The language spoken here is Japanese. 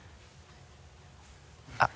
あっ。